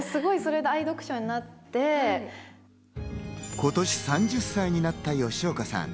今年３０歳になった吉岡さん。